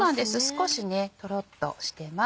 少しトロっとしてます。